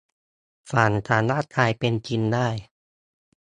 ฝันสามารถกลายเป็นจริงได้